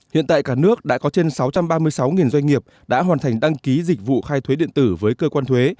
hiện tại cả nước đã có trên sáu trăm ba mươi sáu doanh nghiệp đã hoàn thành đăng ký dịch vụ khai thuế điện tử với cơ quan thuế